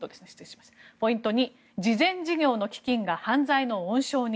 ポイント２慈善事業の基金が犯罪の温床に。